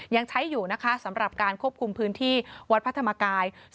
ยังใช้อยู่นะคะสำหรับการควบคุมพื้นที่วัดพระธรรมกาย